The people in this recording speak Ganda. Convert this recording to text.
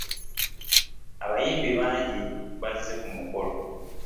Abayimbi bangi bazze ku mukolo.